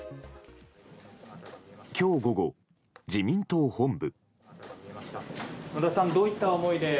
今日午後、自民党本部。